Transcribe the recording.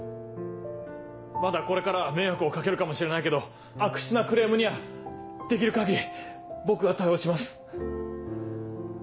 まだこれから迷惑を掛けるかもしれないけど悪質なクレームにはできる限り僕が対応します。